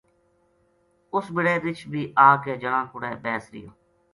اُس بِڑے رچھ بی آ کے جنا کو ڑے بیس رہیو